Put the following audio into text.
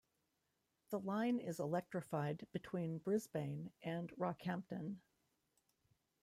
The line is electrified between Brisbane and Rockhampton.